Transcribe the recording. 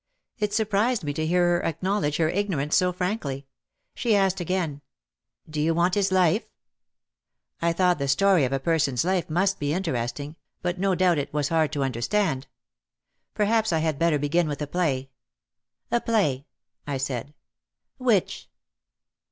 It surprised me to hear her acknowledge her ignorance so frankly. She asked again, "Do you want his life?" I thought the story of a person's life must be interesting, but no doubt OUT OF THE SHADOW 253 it was hard to understand. Perhaps I had better begin with a play. "A play," I said. "Which